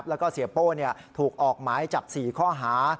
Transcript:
แล้วก็เสียโป้ถูกออกหมายจับ๔ข้อหา